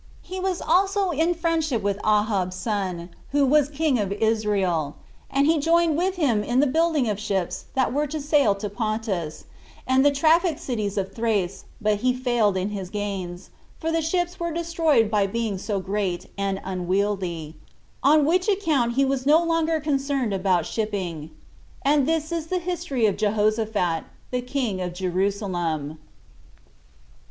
He was also in friendship with Ahab's son, who was king of Israel; and he joined with him in the building of ships that were to sail to Pontus, and the traffic cities of Thrace 3 but he failed of his gains, for the ships were destroyed by being so great [and unwieldy]; on which account he was no longer concerned about shipping. And this is the history of Jehoshaphat, the king of Jerusalem.